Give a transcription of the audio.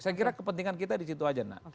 saya kira kepentingan kita disitu aja